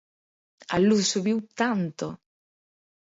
¡A luz subiu tanto!